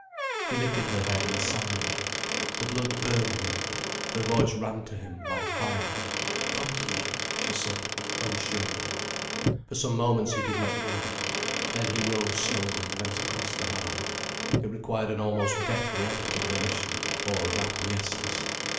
She lifted her head and sighed. The blood burned in him, her voice ran to him like fire. "Come here," she said, unsure. For some moments he did not move. Then he rose slowly and went across the hearth. It required an almost deathly effort of volition, or of acquiescence.